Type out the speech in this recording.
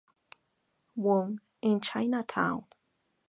Wong in Chinatown".